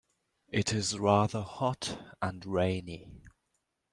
It is rather hot and rainy.